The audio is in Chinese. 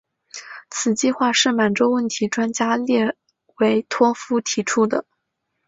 此计划是满洲问题专家列维托夫提出的。